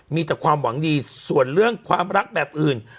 มีแต่ความหวังดีส่วนเรื่องความรักแบบอื่น